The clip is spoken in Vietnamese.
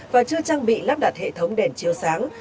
và chưa trang bị lắp đặt hệ thống đèn chiếu sáng